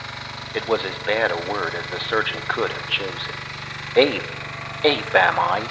It was as bad a word as the surgeon could have chosen. "Ape! Ape, am I!